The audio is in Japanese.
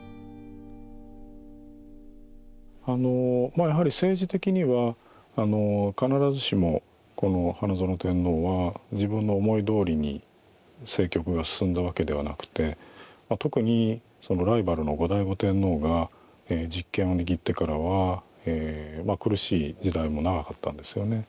まあやはり政治的にはあの必ずしもこの花園天皇は自分の思いどおりに政局が進んだわけではなくて特にそのライバルの後醍醐天皇が実権を握ってからはまあ苦しい時代も長かったんですよね。